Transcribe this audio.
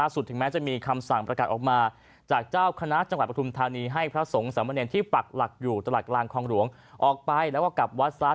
ถึงแม้จะมีคำสั่งประกาศออกมาจากเจ้าคณะจังหวัดปฐุมธานีให้พระสงฆ์สามเนรที่ปักหลักอยู่ตลาดกลางคลองหลวงออกไปแล้วก็กลับวัดซะ